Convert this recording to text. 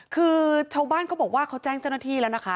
คือชาวบ้านเขาบอกว่าเขาแจ้งเจ้าหน้าที่แล้วนะคะ